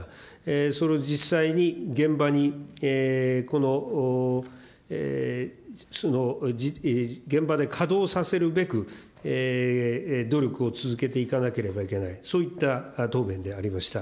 それを実際に現場に、この、現場で稼働させるべく、努力を続けていかなければいけない、そういった答弁でありました。